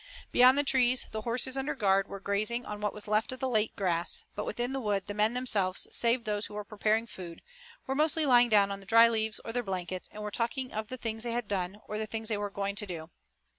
Beyond the trees the horses, under guard, were grazing on what was left of the late grass, but within the wood the men themselves, save those who were preparing food, were mostly lying down on the dry leaves or their blankets, and were talking of the things they had done, or the things they were going to do.